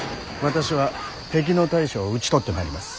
私は敵の大将を討ち取ってまいります。